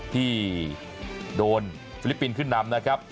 ที่โดนฟิลิปปินส์ขึ้นนำนะครับ